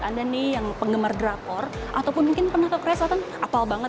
anda nih yang penggemar drakor ataupun mungkin pernah ke korea selatan apal banget